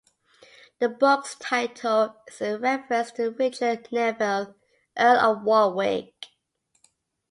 The book's title is a reference to Richard Neville, Earl of Warwick.